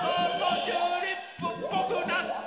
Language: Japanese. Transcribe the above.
チューリップっぽくなってきた！